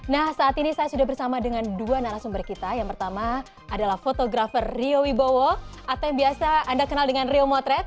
nah saat ini saya sudah bersama dengan dua narasumber kita yang pertama adalah fotografer rio wibowo atau yang biasa anda kenal dengan rio motret